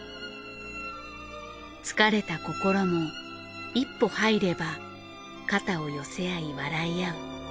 疲れた心も一歩入れば肩を寄せあい笑いあう。